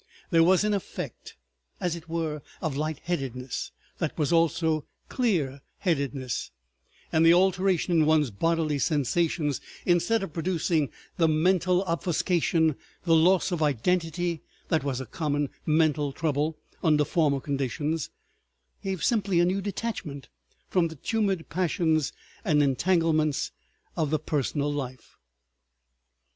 There was an effect, as it were, of light headedness that was also clear headedness, and the alteration in one's bodily sensations, instead of producing the mental obfuscation, the loss of identity that was a common mental trouble under former conditions, gave simply a new detachment from the tumid passions and entanglements of the personal life.